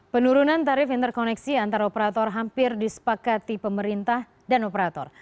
penurunan tarif interkoneksi antara operator hampir disepakati pemerintah dan operator